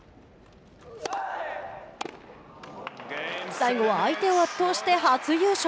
最後は相手を圧倒して初優勝。